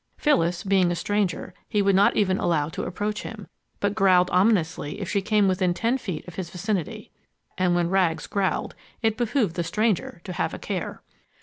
Phyllis, being a stranger, he would not even allow to approach him, but growled ominously if she came within ten feet of his vicinity. And when Rags growled, it behooved the stranger to have a care!